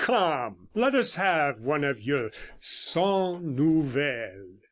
Come, let us have one of your cent nouvelles!